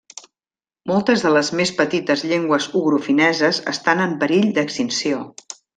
Moltes de les més petites llengües ugrofineses estan en perill d'extinció.